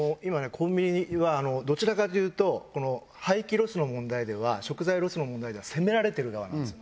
コンビニはどちらかというと廃棄ロスの問題では食材ロスの問題では責められてる側なんですよ。